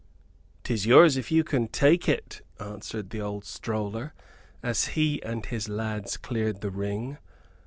"'Tis yours if you can take it," answered the old stroller, as he and his lads cleared the ring.